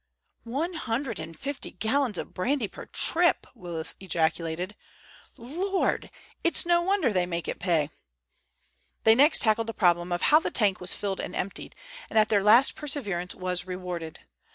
"One hundred and fifty gallons of brandy per trip!" Willis ejaculated. "Lord! It's no wonder they make it pay." They next tackled the problem of how the tank was filled and emptied, and at last their perseverance was rewarded.